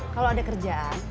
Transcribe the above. kalau ada kerjaan